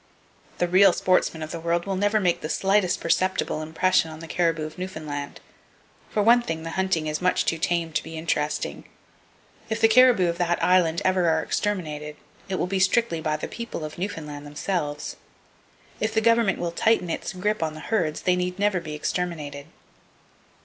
The real sportsmen of the world never will make the slightest perceptible impression on the caribou of Newfoundland. For one thing, the hunting is much too tame to be interesting. If the caribou of that Island ever are exterminated, it will be strictly by the people of Newfoundland, themselves. If the government will tighten its grip on the herds, they need never be exterminated.